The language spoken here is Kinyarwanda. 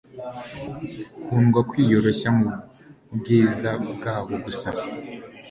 Kunda kwiyoroshya mubwiza bwabo gusa